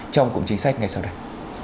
trong cùng chính sách ngay sau đây